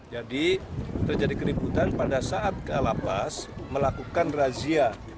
jadi terjadi keributan pada saat ke lapas melakukan razia